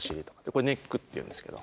これネックっていうんですけど。